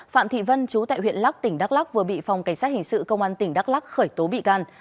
phạm thị vân chú tại huyện lắc tỉnh đắk lắc vừa bị phòng cảnh sát hình sự công an tỉnh đắk lắc khởi tố bị can